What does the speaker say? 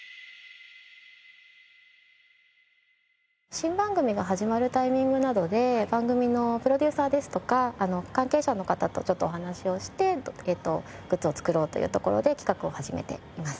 新番組が始まるタイミングなどで番組のプロデューサーですとか関係者の方とちょっとお話をしてグッズを作ろうというところで企画を始めています。